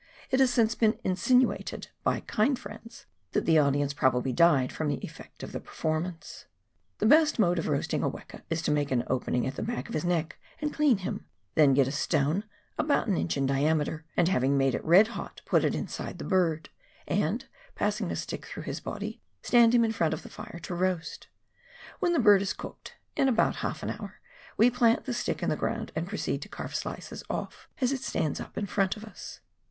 It has since been insinuated, by kind friends, that the audience probably died from the effect of the performance ! The best mode of roasting a weka is to make an opening at the back of his neck and clean him, then get a stone, about an inch in diameter, and, having made it red hot, put it inside the bird, and, passing a stick through his body, stand him in front of the fire to roast. When the bird is cooked — in about half an hour — we plant the stick in the ground and proceed to carve slices off as it stands up in front of us.